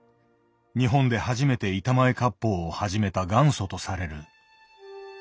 日本で初めて板前割烹を始めた元祖とされる。